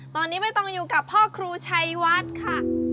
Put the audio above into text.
ตอนนี้ไม่ต้องอยู่กับพ่อครูชัยวัดค่ะ